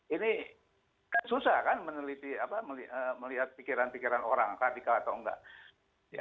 ini kan susah kan meneliti apa melihat pikiran pikiran orang radikal atau enggak